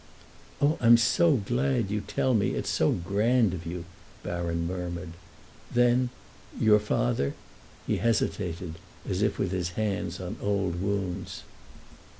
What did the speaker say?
"Oh, I'm so glad you tell me—it's so grand of you!" Baron murmured. "Then—your father?" He hesitated, as if with his hands on old wounds.